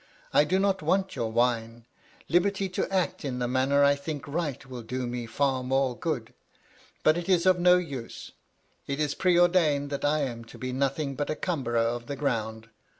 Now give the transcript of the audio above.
I do not want your wine. Liberty to act in the manner I think right, will do me far more good. But it is of no use. It is preordained that I am to be nothing but a cumberer of the ground.